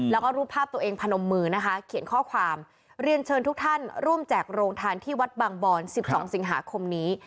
แล้วก็รูปภาพตัวเองพนมมือนะคะเขียนข้อความเรียนเชิญทุกท่านร่วมแจกโรงทานที่วัดบางบอน๑๒สิงหาคมนี้